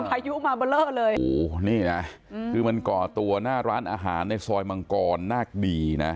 พายุมาเบอร์เลอร์เลยโอ้โหนี่นะคือมันก่อตัวหน้าร้านอาหารในซอยมังกรนาคดีนะ